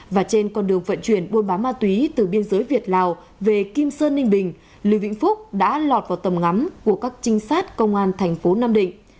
và trên con đường vận chuyển buôn bán ma túy từ biên giới việt lào về kim sơn ninh bình lưu vĩnh phúc đã lọt vào tầm ngắm của các trinh sát công an thành phố nam định